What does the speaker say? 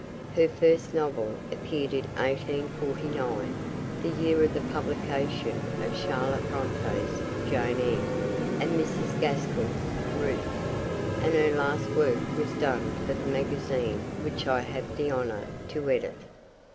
Her first novel appeared in 1849, the year of the publication of Charlotte Bronte's Jane Eyre, and Mrs. Gaskell's Ruth, and her last work was done for the magazine which I have the honour to edit.